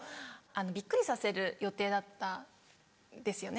びっくりさせる予定だったんですよね